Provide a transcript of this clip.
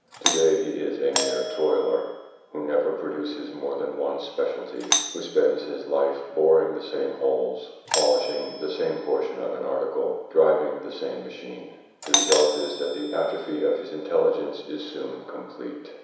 To day, he is a mere toiler, who never produces more than one speciality, who spends his life boring the same holes, polishing the same portion of an article, driving the same machine. The result is that the atrophy of his intelligence is soon complete.